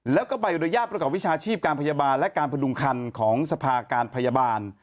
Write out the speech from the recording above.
แล้วก็ใบอนุญาตประกอบวิชาชีพการพยาบาลและการพดุงคันของสภาการพยาบาล